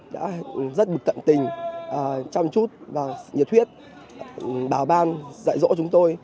đã rất bực tận tình chăm chút và nhiệt huyết vào ban dạy dỗ chúng tôi